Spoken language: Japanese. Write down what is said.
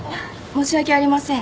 申し訳ありません。